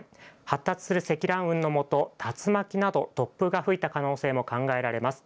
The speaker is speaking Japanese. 発達する積乱雲のもと、竜巻など突風が吹いた可能性も考えられます。